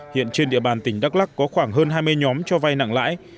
hiện trên địa bàn tỉnh đắk lắc có khoảng hơn hai mươi nhóm cho vay nặng lãi